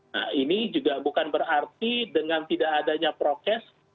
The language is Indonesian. nah ini juga bukan berarti dengan tidak adanya prokes